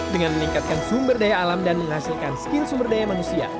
dengan meningkatkan sumber daya alam dan menghasilkan skill sumber daya manusia